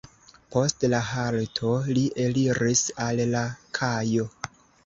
Post la halto li eliris al la kajo.